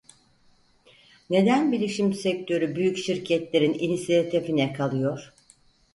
Neden bilişim sektörü büyük şirketlerin inisiyatifine kalıyor?